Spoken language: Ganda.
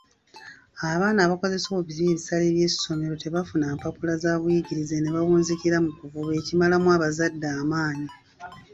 Abaana abakozesa obubi ebisale by'essomero, tebafuna mpapula za buyigirize ne bawunzikira mu kuvuba ekimalamu abazadde amaanyi.